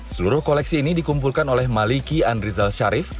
seluruh koleksi ini dikumpulkan oleh maliki andrizal sharif